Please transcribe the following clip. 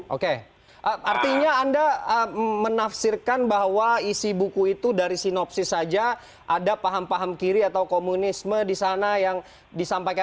oke artinya anda menafsirkan bahwa isi buku itu dari sinopsis saja ada paham paham kiri atau komunisme di sana yang disampaikan